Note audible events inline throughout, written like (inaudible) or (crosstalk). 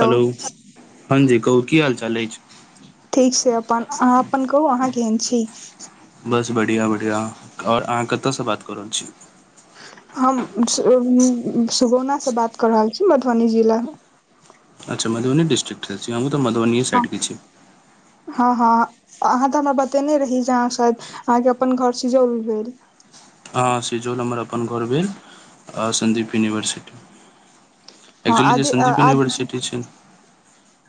Hello हँ जी कहू कि हाल चाल अछि। ठीक छै अपन अहाँ अपन कहू अहाँ केहन छी। बस बढ़िआँ बढ़िआँ आओर अहाँ कतयसँ बातऽ रहल छी। हम सुगौनाँ बात कऽ रहल छी मधुबनी जिलामे। अच्छा मधुबनी डीसट्रिक हम त मधुबनी स साइड के कि छी। हँ हँ अहाँ तऽ हमरा बतेने रही जे अहाँ शाय अहाँके अपन घर स जरर भेल। हा सिजोल हमर अपन घर भेल सदीप यूनिवर्सिटी। हँ एक्चुअली जे आदि सन्दीप आदि यूनिवर्सिटी छै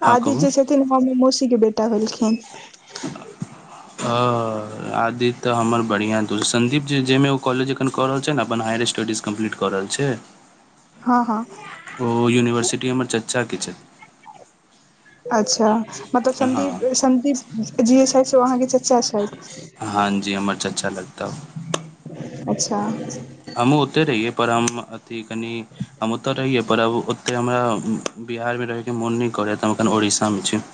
हँ कहू, हम मौसी के बेटा भेललखिन। आदित तऽ हमर बढ़िआँ द सन्दीप जी जाहिमे ओ कॉलेज एखन क रहल छै ने अपन हायर स्टडीज। कम्प्लीट कऽ रहल छै। हँ हँ ओ यूनिवर्सिटी हमर चाचाके छथि। अच्छा मतलब हँ सदीप सदीप जी छथि, से ओ अहाँकेँ चचा छथि। हँ जी हमर चाचा अच्छा लगतउ अच्छा हमहुँ ओतय रहियै पर हम अथी कनि हम ओतऽ रहियै पर। एतऽ हमरा बिहार मे रहैके मोन नहि करय हम एखन उड़ीसामे छी।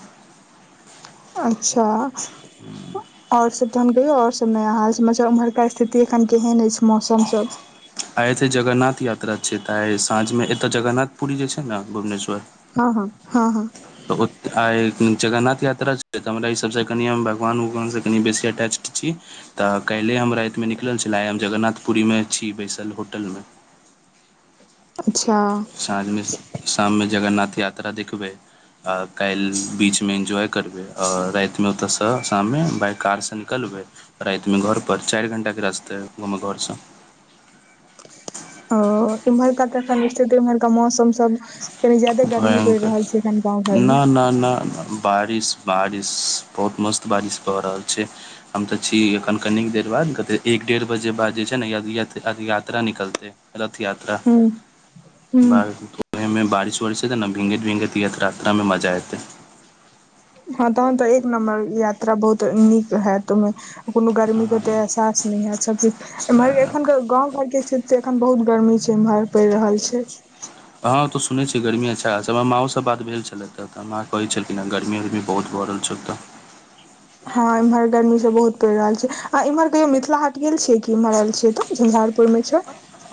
अच्छा। आओर सब तहन कहियौ आओर सब नया हाल सबलब उम्हरका स्थिति एखन केहन अछि मौसम सब। आइ एते जगन्नाथ यात्रा छै, तऽ आइ साँझमे एतय जगरनाथ पुरी जे छै नऽ भुवनेश्वर हँ - हँ, हँ - हँ। तऽ आइ जगन्नाथ यात्रा छै तऽ हमरा ई सबसँ कनि हम भगवान उगवानसँ कनि बेसी अटैचड छी। तऽ काइल्हे हम रातिमे निकलल छले हम जगन्नाथपुरीमे छी बैसल होटलमे। अच्छा। साँझमे शाममे जगन्नाथ यात्रा देखबै। आ काल्हि बीचमे एन्जॉय करबै आओर रातिमे ओतयसँ शाममे बाइ कारसँ निकलबै। रइतमे घर पर चारि घंटा केँ रास्तै हमर घरसँ। ओ इमहरका तन स्थिति इम्हरका कनी मौसम सब। कनि ज्यादे गर्मी पैर भयङ्कर रहल छै एखन गाँव घर ना मे ना - ना। बारिश - बारिश बहुत मस्त बारिश भऽ रहल छै। हम तऽ छी एखन कनिक देर बाद एक डेढ़ बजे बाद जे छै नऽ (unintelligible) अभी यात्रा निकलतै। रथ यात्रा हूँ हूँ (unintelligible) ओहिमे बारिश उारिश हेतै नऽ भीगैत - भीगैत यात्रामे मजा एतै। हँ तहन तऽ एक नम्बर यात्रा बहुत नीक हैत ओयमे। कोनो गर्मी केँ ओते एहसास नइ हैत सबकिछ एमहर हँ एखन कऽ गाँंव घर केँ स्थित एखन बहुत गर्मी छै एमहर पैर रहल छै। हँ ओतऽ सुनैय छियै गर्मी अच्छा अछि हमर माँओ सँ बात भेल छलै तऽ माँ कहैत छलखिन आ गर्मी उर्मी बहुत बढ़ल छै एतऽ। हँ एम्हर गर्मी सँ बहुत पैर रहल छै आ इम्हर कहियो मिथिला हट गेल छिये की एम्हर एल छिये तऽ झंझारपुर मे छै।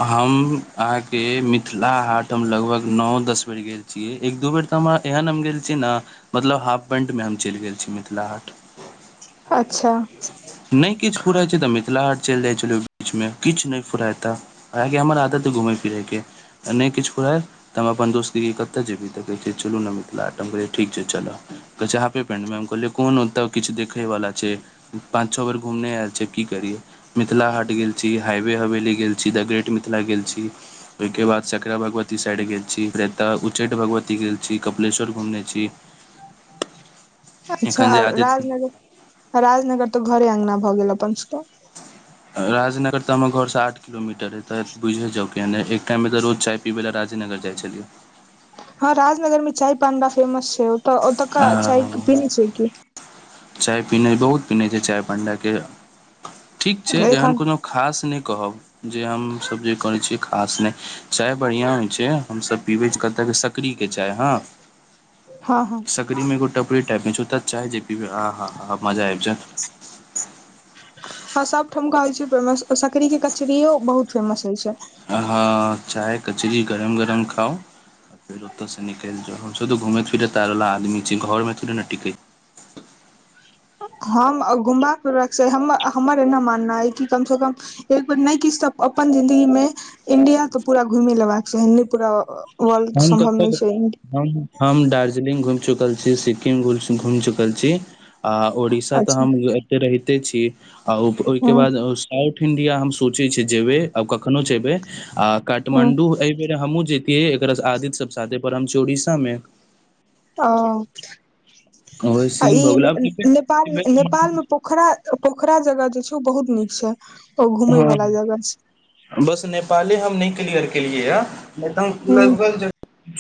हम अहाँकेँ मिथिला हाट हम लगभग नओ दस बेर गेल। एक दू बेर तऽ हम एहन हम गेल छी नऽ मतलब हाफ पेंटमे हम चैल गेल छी मिथिला हाट। अच्छऽ नय किछ फराइ छै तऽ मिथिला आट चैल जाइ छलिये ओहि बीच मे किछ नय फुराइ तऽ काहेकि हमर आदत हय घुमै फिरै केँ नय किछ फुराय तऽ हम अपन दोस्ती कऽ कहिये कतऽ जेबही तऽ कहै छै चलू नऽ मिथिला हाट तऽ हम कहलियै ठीक छै चलऽ कह छैे हाफे पेन्टमे हम कहलियै कोन ओतऽ किछ देखे बला छै। पाँच, छ बेर घूमने आयल छी की करियय मिथिला हाट गेल छी हाईवे हवेली गेल छी द ग्रेट मिथिला गेल छी। ओहि केँ बाद सकरा भगवती साइड गेल छी फेर एतय उच्चैठ भगवती गेल छी कपिलेश्वर घूमने छी। (inaudible) अच्छा एखन जे आदित्य राजनगर। राजनगर तऽ घरे अंगना भऽ गेल अपन सब कऽ राजनगर तऽ हमर घर सँ आठ किलोमीटर है तऽ बुझे जाउ। पहिने एकटाइमे तऽ रोज चाय पीबै लऽ राजेनगर जाइ छलियौ। हँ राजनगर मे चाय पान बा फेमस छै ओऽ ओतुका चाय आ पीने छिये की। चाय पिने बहुत पिने छिये चाय पण्ड केँ ठीक छै एहेन एखन कोनो। खास नय कहब जे हमसब जे कहने छी। खास नय चाय बढ़िया होइ छै हमसभ पीबै छी कतऽ केँ सकड़ीकेँ चाय हँ। हँ - हँ। बकरीमेगो टपरी टाइपमे छै ओ तऽ चाय जे पिबै आहा मजा आइब जेयत। हँ सब ठुमका होय छै प्रेमस। सकड़री के कचरीयो बहुत फेमस होइ छै। हाँ चाय कचरी गरम गरम खाउ। फेर ओत से निकैल जाउ हमो तो घूमे फिरे त आरला आदमी छी घर मे थोड़े ने टिके छी हम गुम्बाे रख हमर एना मानना अय कि कम से कम। एक बेर नै किछ त अपन जिंन्दगी मे इंडिया तऽ पूरा घुइमे लेबाक छै पूरा। वल्ड हम सम्भव कतऽ नै छैइन हम हम दार्जिलिङंग घुइम चुकल छी सिक्किम घुइम चुकल छी आ ओड़ीसा तऽ अच्छा हम एतय रहिते छी आ ओहिके हँ बाद साउथ इंडिया हम सोचे छी जेबे आ कखनो जेबे आ हँ काठमांडू ए बेर हमू जे एकरास आद्य सब साथे पर हम छी ओरीसा मे ओ ओहे आ सीन ई भऽ गेल नेपाल आब नेपालमे प पोखरा पोखरा जगह जे छै ओ बहुत नीक छै ओ घूमेय हँ वालला जगह छै बस नेपाली हम नै क्लियर केलियै य नै तऽ ह लगभग ज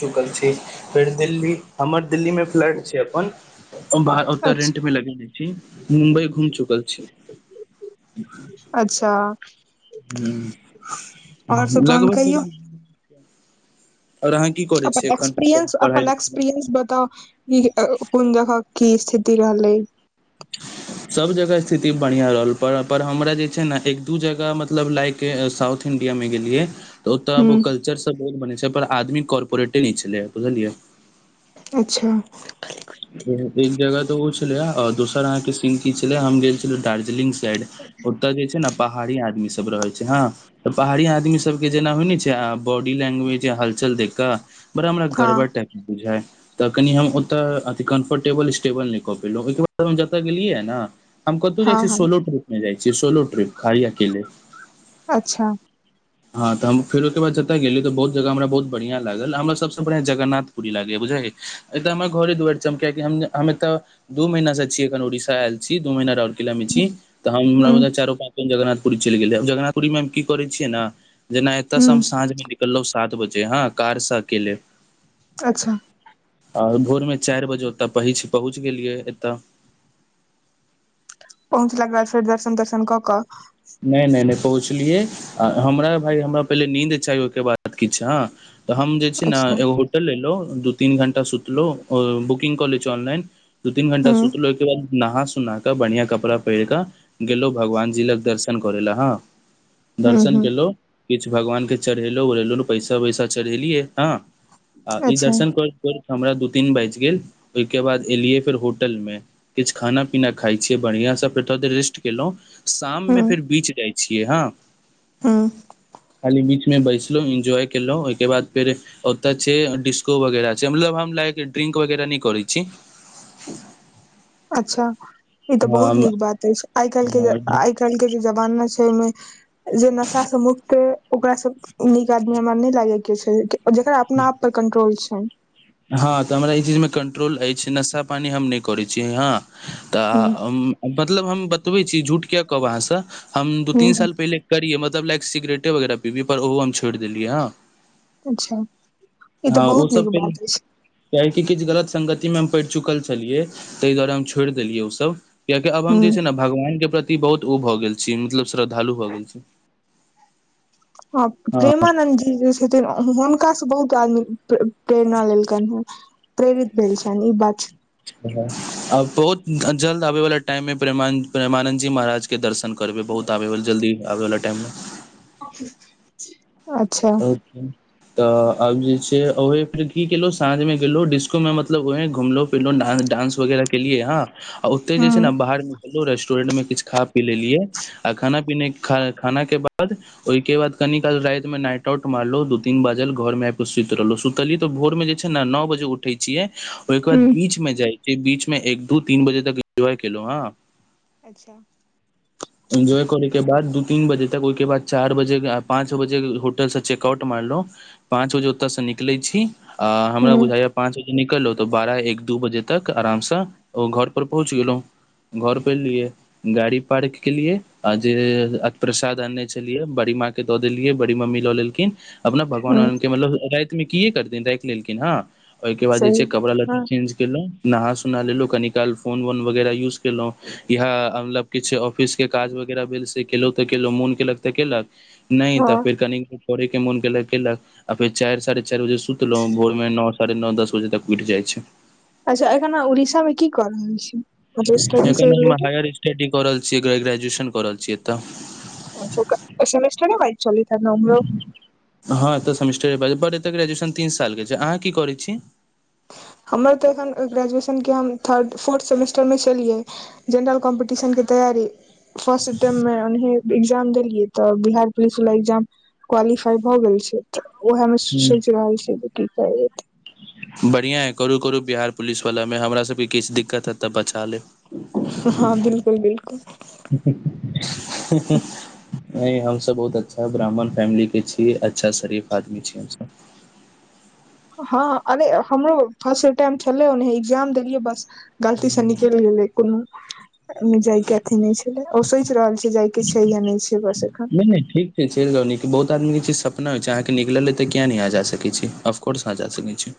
चुकल छी फेर दिल्ली हमर दिल्लीमे फ्लाइट छै अपन बाह ओतऽ अच्छा रेंट मे लगेने छी मुम्बई घूम चुकल छी अच्छा आओर हूँ, सब जतहन लगभग कहियौ आर अहा की क अपन एक्सपीरियंस अपन एक्सपीरियंस बताउ ई कुन जगह की स्थिति रहलै सब जगह स्थिति बढ़िआ रहल पर पर हमरा जे छै ने एक दू जगह मतलब लाइक के साउथ इंडिया मे गेलियै तऽ ओतऽ ह ओ कल्चर सब बहुत बनै छै पर आदमी कॉपोरेटे नै छलै बुझलियै अच्छा एक जगह तो ओ छलै र दोसर अहाँके सीन की छले हम गेल छल दार्जं लिंग साइड ओतय जे छै ने पहाड़ी आदमी सब रहै छै हँ तऽ पहाड़ी आदमीसभके जेना होइ ने छै आ बॉडी लैंग्वेज हलचल देख कऽ बड़ा हमरा हँ गड़बड़ टाइप के बुझ ह तऽ कनि हम ओत त कम्फर्टेबल स्टेबल नै कऽ पेलहुं ओहि ब हम जत ग गेलियै ने हमतहु जाइ छ हँ छी हँ सोलो ट्रिप जाइ छी सोलो ट्रिप खाली अकेले अच्छा हँ तऽ हम फेर ओहिके बाद जतय गेलियै तऽ बहुत जगह हमरा बहुत बढ़िआँ लागल हमरा सबसँ बढ़िआं जगन्नाथ पूरी लागे बुझाै एक त हमरा घरे दुएर किय हम एतऽ दू महीना से छीयै एखन उड़ीसा आयल छी दू महीना र किला मे छी तऽ ह हमरा चारो पाँच दिन जगरनाथपुरी चैल गेलै जगरनाथपुरी मे हम की करै छियै ने जेना एत ह से हम साँझ के निकलौ है सात बजे ह कार से अकेले अच्छा आर भोरमे चैर बजे ओतय पहुँच गेलियै एतय पहुँचला के बाद फेर दर्शन तर्शन क कऽ नै नै नै पहुँचलियै आ हमरा भाय हमरा पहिले नीन्द चाही ओहिके बाद किछु हँ तऽ हम जे छै ने अच्छा एगो होटल एलहुँ दू तीन घण्टा सुतलहुँ बुकिंगग कऽ लै छी ऑनलाइन दू तीन घण्टा ह सुतलो ओहिके बाद नहा सुनााकऽ बढ़िया कपड़ा पहिर कऽ गेलहुँ भगवान जी लग दर्शन करै लए हँ ह दर्शन ह केलौ किछ भगवान के चढ़ेलहुँ उढ़ेलहु र पैसा वैसा चढ़ेलियै हँ आ ई अच्छा दर्शन कर फेर हमरा दू तीन बाजि गेल ओहिके बाद एलियै फेर होटल मे किछ खाना पीना खाइ छियै बढ़ियां स फेर रेस्ट केलौं शाम ह मे फेर बीच जाइ छियै हँ हूं खाली बीच मे बैसलौं एन्जॉय केलौं ओहिके बाद फेर ओतय छै डिस्को वगैरह छै मतलब हम लायक ड्रिंक वगैरह नय करै छी (inaudible) अच्छा ई तऽ बहुत नीक बात अछि आइ काल्हि के हम आइ काल्हि के जे जमाना छै ओईमे जे नशा से मुक्त ओकरा सब नीक आदमी हमरा नय लागेैया कियो छै जेकरा अपना आप पर कंट्रोल छै हँ तऽ हमरा ई चीज मे कंट्रोल अछि नशा पानि हम नय करै छी हँ ह तऽ हम मतलब हम बतबै छी झूठ किया कहु अहाँसँ हम दू तीन ह साल पहिले करियै मतलब लक सिगरेटो वैगारह पीबियै पर ओहो हम छोड़ि दिलियै हँ अच्छा ई तऽ ह ओ बहुत सब नीक केले बात अछि कियाकि किछ गलत संगति मे हम पड़ि चुकल छेलियै तय दुआरे हम छोड़ देलियै ओसब कियाकि आब हम जे छै ह न भगवान के प्रति बहुत उ भऽ गेल छी मतलब श्रद्धालु भऽ गेल छी हं हँ प्रेमानन्द जी जे छैथिन हुनका स बहुत आदमी प्रेरणा लेलकैन हेँ प्रेरित भेल छनि इ बात छै आ बहुत जल्द आबे वाला टाइम मे प्रेमानन्द जी महाराज के दर्शन करबै बहुत आबैवला जल्दी आबैवला टाइम मे अच्छा अच्छा तऽ आब जे छै ओहे फेर की केलहु साँझ मे गेलो डिस्कों मे मतलब ओहे घूमलो (unintelligible) डांस वेगेरा केलियै हं आ ओते ह जे छय ने बाहर निकलू रेस्टोरेंट मे किछ खा पी लेलियै आ खाना पीने खाना खाना के बाद ओहिके बाद कनि काल रति मे नाइट टउट मारलौ दू तीन बाजल घर मे आइब के सुइत रहलौ सुतली तऽ भोर मे जे छै न बजे उठेै छियै ओहिके ह बाद बीच मे जाय छीयै बीच मे एक दू तीन बजे तक एन्जॉय केलौ हं अच्छा एन्ज्वाय करै के बाद दू तीन बजे तक ओहिके बाद चार बजे पाँच बजे होटल चेकाॅउट मारलौं पाँच बजे ओतसे निकलेै छी आ हमरा बुझाय पाँच बजे निकलौ तऽ बारह एक दू बजे तक आराम स ओ घर पर पहुँच गेलौं घर पे एलिये गाड़ी पार्क केलियै आ जे प्रसाद आनने छेलियै बड़ी माँ के दऽ देलियै बड़ी मम्मी ल लेलखिन अपना ह भगवान के मतलब रति मे किए करथिन रखि लेलखिन हँ ओहिके बाद जे सही छै कपड़ा ह लत्ता चेंज केलौं नहा सोना लेलौ कनी काल फोन वोन वगैरह यूज केलौ इहा मतलब किछ ऑफिस के काज वगैरह भेल से केलौ तऽ केलौ मोन केलक तऽ केलक नय तऽ हँ फेर कनि करेै के मोन केलक केलक फेर चरि साढ़े चरि बजे सुतलौं फेर भोर मे न साढ़े न दस बजे तक उइठ जाय छै अच्छा एखन आँहा उड़ीसा मे की क रहल छीयै एखन हम हायर स्टडी क रहल छि ग्रेजुएशन कऽ रहल छि एतय अच्छा सेमेस्टरे वाइज चलति हेऽत न ओमरो हँ सम्टिर एतऽ ग्रेजुएशन तीन साल के छै अहाँ की करैय छी हमर तऽ एखन ग्रेजुएशनके हम थर्ड फोर्थ सेमेस्टर मे छेलियै जेनरल कॉम्पटिशन कऽ तैयारी फस्टटेम में उनही एग्जाम देलियै तऽ बिहार पुलिस वला एग्जाम क्वालीफाय भऽ गेल छै तऽ ओहे मे सोइच रहल छै की करबै बढ़िया ऐ करू- करू बिहार पुलिसवलामे हमरा सब के किछ दिक्कत हेऽत तऽ बचा लेब हँ बिल्कुल बिल्कुल (unintelligible) नैय हम सब बहुत अच्छा ब्राह्मण फैमिली के छी अच्छा शरीफ आदमी छी हम सब हँ अरे हमरो फसै टाइम छेलै ओन्नहे एग्जाम देलियै बस गालती सऽ निकैल गेलै कोनो जाय के अथी नैय छेलै ओ सोच रहल छै जाय के छै या नैय छै बस एखन नै नै ठीक चैल जाउ नीक बहुत आदमीक के सपना होय छै आहाँ के निकल अैय त किया नै आ जा सकै छी अफकोर्स आहाँ जा सकैत छी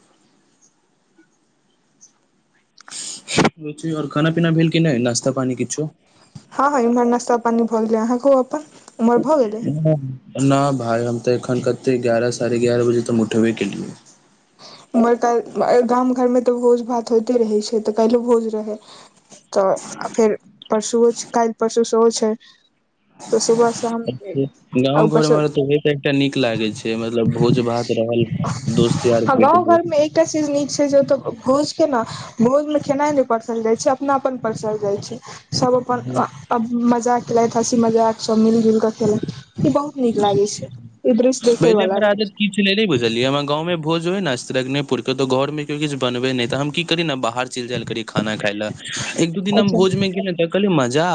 आओर खाना पीना भेल कि नहि नाश्ता पानी किछो हँ हँ इमहर नास्ता पानी भए गेले अहाँके ओ अपन उम्हर भऽ गेले न भाय हम तऽ एखन कते एग्यारह साढ़े एग्यारह बजे तऽ हम उठेबे केलियै उमहर त गाम घरमे तऽ भोज भात होइते रहै छै तऽ कैल्हो भोज रहै तऽ फेर परसुओ छै कैल्ह परसू सेहो छै तऽ सुबह साम गाँव घरमे तऽ ओए तऽ एकटा नीक लागैत छै मतलब भोज भात रहल दोस्त यार भऽ गाँव घरमे एकटा चीज नीक छै जे ओतऽ भूजके नऽ भोजमे केेनाइ नहि परसल जाइत छै अपनाप परसल जाइत छै सब अपन मजाक केलथि हँसी मजाक सब मिल जुल कऽ बहु नीक लागे छै ई दृश देखे पहिले वला हमर रहै आदत छै की बुझलियै हमर गाँं भोजुर स्रीगण पूरके घर मे के किछ बनबे तऽ हम कऽ कर नेाह बाहर चलि जायल कर खाना खाय ल एक दू दिन छै भोज अच्छा में तऽ लि मजा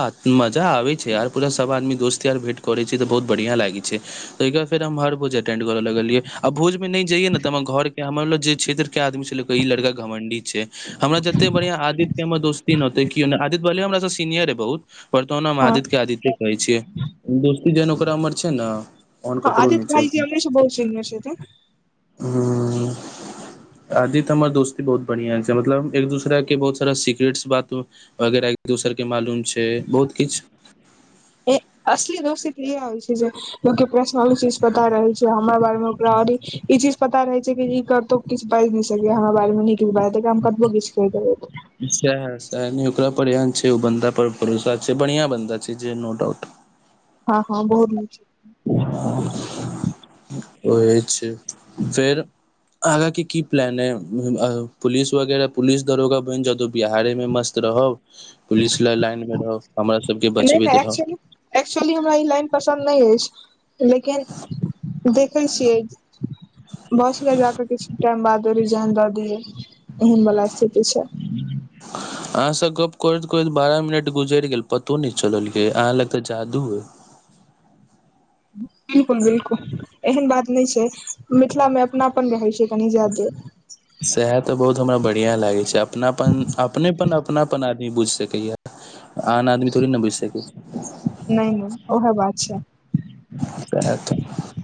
मजा आबे छै आर पूरा सब आदमी दोस्त यार भेट करे छै तऽ बहुत बढ़िया लागे छै फेर हर भोजें कर लगलियै भोज मे नहि जाय घर हमरोग जे क्षेत्र के आदमी छल इ लड़का घमंडी छै हमरा जते बढ़िया आदित्य के हमर दोस्तीते क आद्य ब हमरा सीनियर है बहुत पर त ने हम हँ आदित्य आदित्य कहै छियै दोस्ती जेहन ओकरा उमर छै ने ओहन हँ ककरो नहि आदित्य छै भाइजी हमरी सँ बहुत सीनियर छथिन हू आदी त हमर दोस्ती बहुत बढ़ििया छै मतलब एक दूसरा के बहुत सारा सिक्रेटस बात वगैरह एक दोसरके मालूम छै बहुत किछु असली दोष ती तऽ इहाय होै छै जे य के प्रश्नल चीज पता रहल छै हमरा बारे मे ओकरार ई चीज पता पता रहै छै कि ई करतौ किछु बाजि नहि सकै हमरा बारे मे नीक बाजत हम कबो किछु कहि देबै हह ओकरा पर एन छै ओ बन्दा पर भरोसा छै बढ़िया बा छै जे नो डाउट हँ हँ बहुत निक (unintelligible) ओह एछ फेर आगाँ के की प्लान है पुलिस वगैरह पुलिस दरोगा बनि जदो बिहारे में मस्त रहब पुलिस ल लाइनमे रहब हमरा सबके छै। नहि बचबैत नहि रहब एक्चुअली एक्चुअली हमरा ई लाइन पसन्द नय अछि। लेकिन देखै छियै बस ल जाकऽ किछु टाइम बाद दू रीजाइन दऽ दिये एहन बाला स्थिति छै। (inaudible) अहाँ सँ गप करैत करैत बारह मिनट गुजरि गेल पतो नय चलल यै अहाँ लग तऽ जादू हय बिल्कुल बिल्कुल एहन बात नय छै मिथिलामे अपनापन रहै छै कनी जादे सएह तऽ बहुत हमरा बढ़ियाँ लागै छै अपनापन अपनेपन अपनापन बुझि सकै ये आन आदमी थोड़बे न बुझि सकै छै नहि नहि ओहे बात छै सैह तऽ